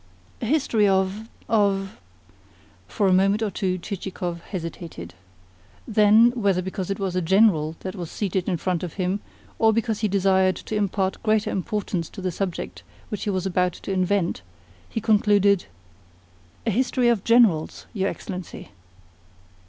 "A history of, of " For a moment or two Chichikov hesitated. Then, whether because it was a General that was seated in front of him, or because he desired to impart greater importance to the subject which he was about to invent, he concluded: "A history of Generals, your Excellency."